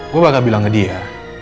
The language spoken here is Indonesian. gue bakal bilang ke dia